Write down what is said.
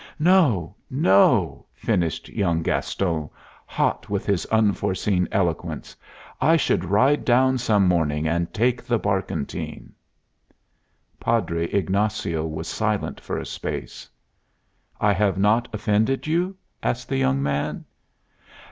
No, no!" finished young Gaston, hot with his unforeseen eloquence; "I should ride down some morning and take the barkentine." Padre Ignacio was silent for a space. "I have not offended you?" asked the young man.